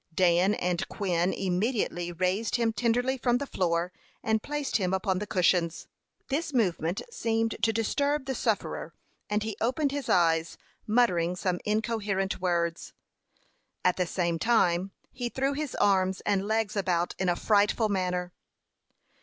Dan and Quin immediately raised him tenderly from the floor, and placed him upon the cushions. This movement seemed to disturb the sufferer, and he opened his eyes, muttering some incoherent words. At the same time he threw his arms and legs about in a frightful manner.